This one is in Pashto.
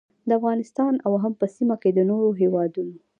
د افغانستان او هم په سیمه کې د نورو هیوادونو